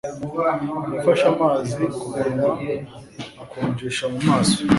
Yafashe amazi kumunwa akonjesha mu maso